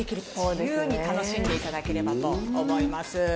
自由に楽しんで頂ければと思います。